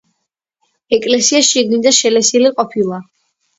ეკლესია შიგნიდან შელესილი ყოფილა.